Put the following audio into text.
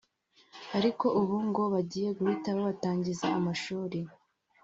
ariko ubu ngo bagiye guhita babatangiza amashuri